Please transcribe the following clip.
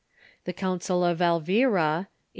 The Council of Elvira, a.